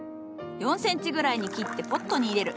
４センチぐらいに切ってポットに入れる。